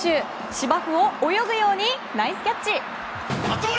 芝生を泳ぐようにナイスキャッチ！